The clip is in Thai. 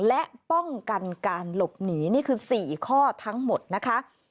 และป้องกันการหลบหนีนี่คือ๔ข้อทั้งหมดนะคะ